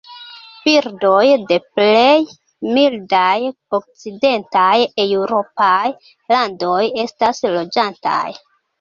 Birdoj de plej mildaj okcidentaj eŭropaj landoj estas loĝantaj.